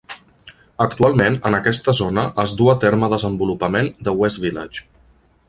Actualment, en aquesta zona es duu a terme desenvolupament de West Village.